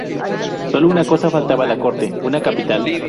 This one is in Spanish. Sólo una cosa faltaba a la corte: una capital.